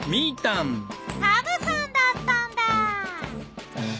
カバさんだったんだ。